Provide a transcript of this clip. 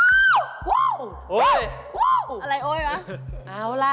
ทั้งสามแบบนี้ค่ะข้าวเกียบกุ้งจากข่าวบี